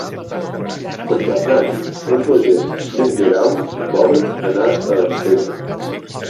Per Cap d'Any en Roger i en Guerau volen anar a Antella.